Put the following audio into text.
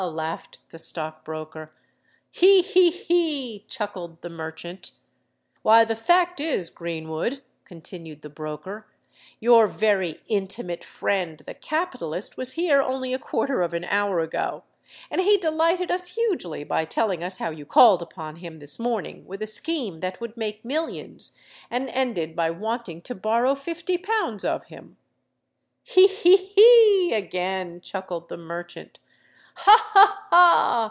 laughed the stockbroker. "He! he! he!" chuckled the merchant. "Why, the fact is, Greenwood," continued the broker, "your very intimate friend the capitalist was here only a quarter of an hour ago; and he delighted us hugely by telling us how you called upon him this morning with a scheme that would make millions, and ended by wanting to borrow fifty pounds of him." "He! he! he!" again chuckled the merchant. "Ha! ha! ha!"